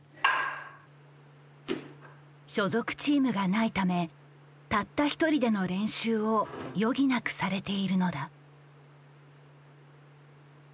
所属チームがないためたった一人での練習を余儀なくされているのだ。